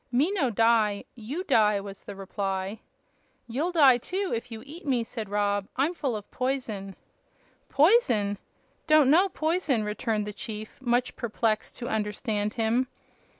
"Me no die. You die," was the reply. "You'll die, too, if you eat me," said Rob. "I'm full of poison." "Poison? Don't know poison," returned the chief, much perplexed to understand him.